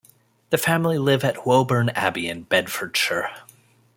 The family live at Woburn Abbey in Bedfordshire.